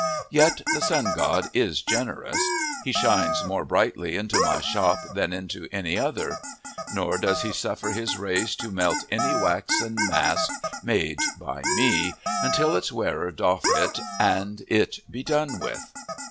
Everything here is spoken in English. Yet the sun god is generous. He shines more brightly into my shop than into any other. Nor does he suffer his rays to melt any waxen mask made by me, until its wearer doff it and it be done with."